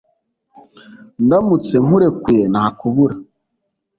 ndamutse nkurekuye nakubura